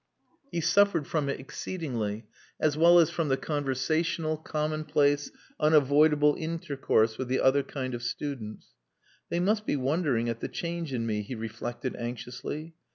He suffered from it exceedingly, as well as from the conversational, commonplace, unavoidable intercourse with the other kind of students. "They must be wondering at the change in me," he reflected anxiously.